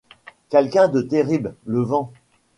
Quelqu’un de terrible, le vent.